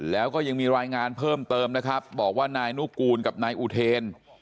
แล้วก็ยังมีรายงานเพิ่มเติมนะครับบอกว่านายนุกูลกับนายอุเทน